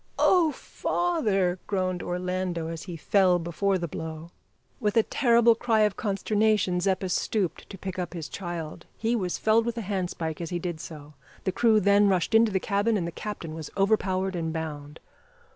"Oh! father," groaned Orlando, as he fell before the blow. With a terrible cry of consternation Zeppa stooped to pick up his child. He was felled with a handspike as he did so; the crew then rushed into the cabin and the captain was overpowered and bound.